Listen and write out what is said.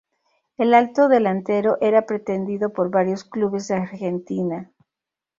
El alto delantero era pretendido por varios clubes de Argentina.